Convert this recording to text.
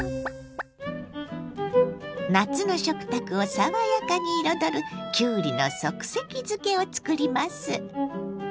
夏の食卓を爽やかに彩るきゅうりの即席漬けを作ります。